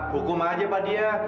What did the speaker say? hukum aja pak dia